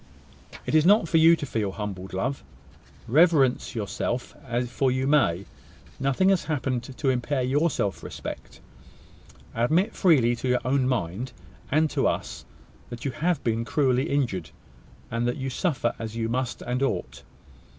"It is not for you to feel humbled, love. Reverence yourself; for you may. Nothing has happened to impair your self respect. Admit freely to your own mind, and to us, that you have been cruelly injured, and that you suffer as you must and ought.